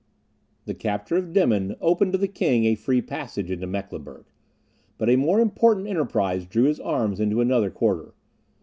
The capture of Demmin opened to the king a free passage into Mecklenburg; but a more important enterprise drew his arms into another quarter.